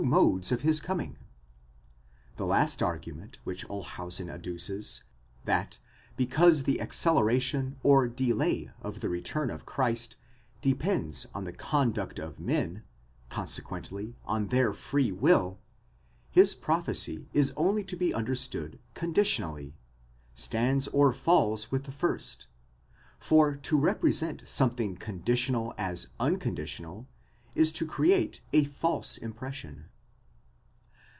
modes of his coming: The last argument which Olshausen adduces—that because the acceleration or delay of the return of Christ depends on the con duct of men, consequently on their free will, his prophecy is only to be under _stood conditionally—stands or falls with the first ; for to represent something conditional as unconditional is to create a false impression.